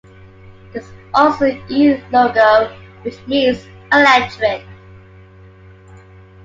There is also an "E" logo, which means "Electric".